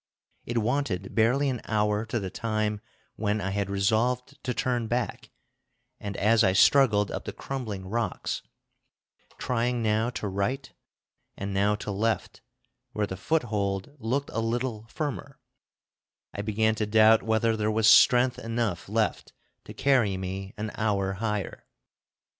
It wanted barely an hour to the time when I had resolved to turn back; and as I struggled up the crumbling rocks, trying now to right and now to left, where the foothold looked a little firmer, I began to doubt whether there was strength enough left to carry me an hour higher.